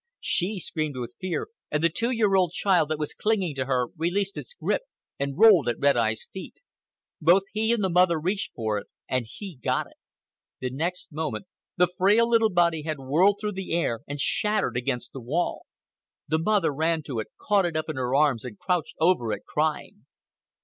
She screamed with fear, and the two year old child that was clinging to her released its grip and rolled at Red Eye's feet. Both he and the mother reached for it, and he got it. The next moment the frail little body had whirled through the air and shattered against the wall. The mother ran to it, caught it up in her arms, and crouched over it crying.